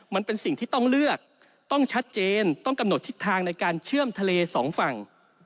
มันเป็นสิ่งที่ต้องเลือกต้องชัดเจนต้องกำหนดทิศทางในการเชื่อมทะเลสองฝั่ง